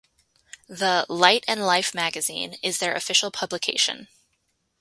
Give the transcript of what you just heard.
The "Light and Life Magazine" is their official publication.